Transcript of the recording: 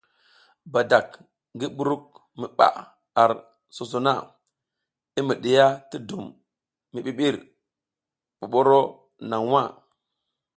Badak ngi buruk mi ɓaʼa ar sozo na i mi ɗiya ti dum mi ɓiɓir ɓoɓoro naŋ nwa.